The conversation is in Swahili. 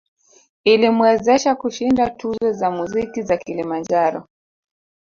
Ilimwezesha kushinda tuzo za muziki za Kilimanjaro